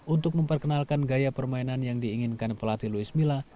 untuk memperkenalkan gaya permainan yang diinginkan pelatih luis mila